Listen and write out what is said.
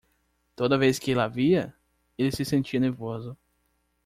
Toda vez que ele a via?, ele se sentia nervoso.